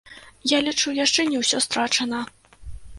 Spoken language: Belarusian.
Я лічу, яшчэ не ўсё страчана.